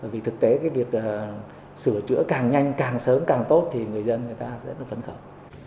vì thực tế cái việc sửa chữa càng nhanh càng sớm càng tốt thì người dân người ta sẽ phấn khẩn